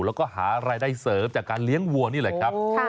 แล้วก็หารายได้เสริมจากการเลี้ยงวัวนี่แหละครับ